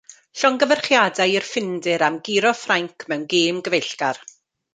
Llongyfarchiadau i'r Ffindir am guro Ffrainc mewn gêm gyfeillgar.